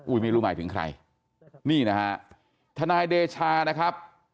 ไม่รู้หมายถึงใครนี่นะฮะทนายเดชานะครับ